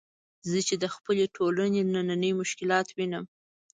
زه چې د خپلې ټولنې نني مشکلات وینم.